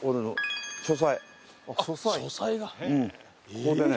ここでね